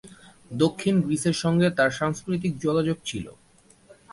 দক্ষিণ গ্রিসের সঙ্গে তার সাংস্কৃতিক যোগাযোগ ছিল।